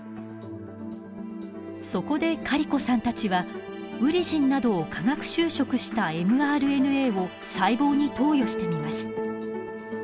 そこでカリコさんたちはウリジンなどを化学修飾したｍＲＮＡを細胞に投与してみます。